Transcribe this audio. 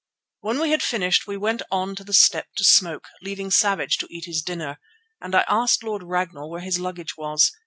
When we had finished we went on to the stoep to smoke, leaving Savage to eat his dinner, and I asked Lord Ragnall where his luggage was.